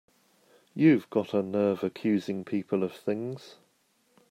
You've got a nerve accusing people of things!